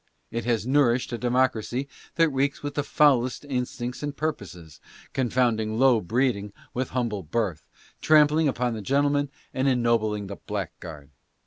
It has nourished a democ racy that reeks with the foulest instincts and purposes, con founding low breeding with humble birth, trampling upon the gentleman and ennobling the blackguard.